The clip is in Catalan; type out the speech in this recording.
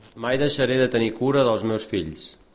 Mai deixaré de tenir cura dels meus fills.